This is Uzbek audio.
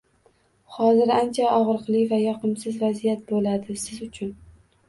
- Hozir ancha og'riqli va yoqimsiz vaziyat bo'ladi siz uchun!